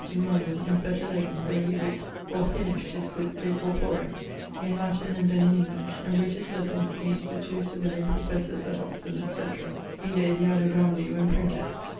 ] in London, in Fetter lane, where he writt, or finished, his booke De Corpore, ..., in Latin and then in English; and writt his lessons against the two Savillian professors at Oxon, etc.; vide the anno Domini when printed.